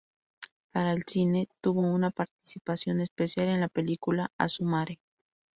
Para el cine, tuvo una participación especial en la película "Asu Mare".